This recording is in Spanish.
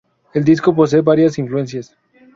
El disco posee variadas influencias.